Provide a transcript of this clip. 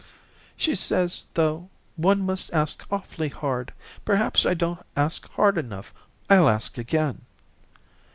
"She says, though, one must ask awfully hard. Perhaps I don't ask hard enough. I'll ask again."